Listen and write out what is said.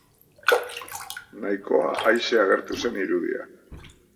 Nahikoa aise agertu zen irudia.